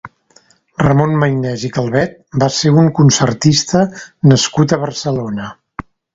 Ramon Maynès i Calvet va ser un concertista nascut a Barcelona.